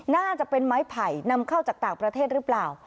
น่าจะเป็นไม้ไผ่นำเข้าจากต่างประเทศหรือเปล่า